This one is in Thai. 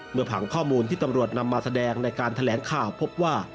ผังข้อมูลที่ตำรวจนำมาแสดงในการแถลงข่าวพบว่า